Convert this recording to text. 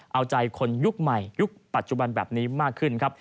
เอาใจคนยุคใหม่ยุคปัจจุบันแบบนี้มากขึ้นครับ